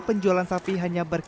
penjualan sapi kurban di jepang